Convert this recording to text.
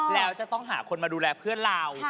แล้วจะต้องหาคนมาดูแลเพื่อนเรา